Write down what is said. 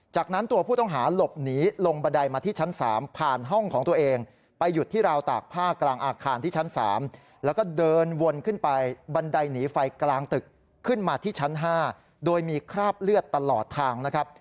จากนั้นตัวผู้ต้องหาหลบหนีลงบันไดมาที่ชั้น๓ผ่านห้องของตัวเองไปหยุดที่ราวตากผ้ากลางอาคารที่ชั้น๓แล้วก็เดินวนขึ้นไปบันไดหนีไฟกลางตึกขึ้นมาที่ชั้น๕โดยมีคราบเลือดตลอดทางนะครับ